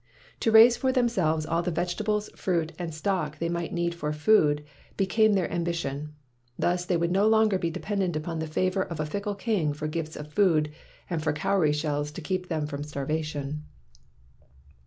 To raise for them selves all the vegetables, fruit, and stock they might need for food became their am bition. Thus they would no longer be de pendent upon the favor of a fickle king for gifts of food and for cowry shells to keep them from starvation.